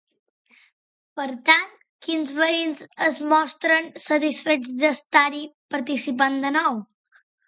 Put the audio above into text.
Per tant, quins veïns es mostren satisfets d'estar-hi participant de nou?